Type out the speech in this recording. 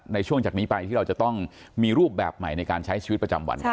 ในช่วงจากนี้ไปที่เราจะต้องมีรูปแบบใหม่ในการใช้ชีวิตประจำวัน